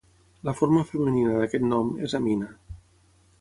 La forma femenina d'aquest nom és Amina.